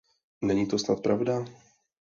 Není to snad pravda?